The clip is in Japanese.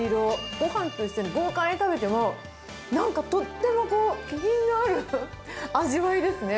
ごはんと一緒に豪快に食べても、なんかとっても気品のある味わいですね。